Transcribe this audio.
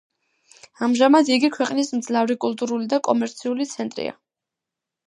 ამჟამად იგი ქვეყნის მძლავრი კულტურული და კომერციული ცენტრია.